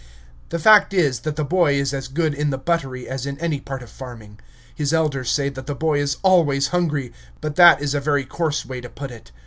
The fact is, that the boy is as good in the buttery as in any part of farming. His elders say that the boy is always hungry; but that is a very coarse way to put it.